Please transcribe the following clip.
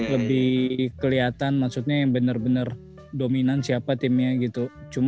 lebih keliatan maksudnya yang bener bener dominan siapa timnya gitu